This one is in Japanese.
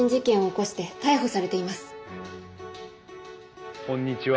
こんにちは。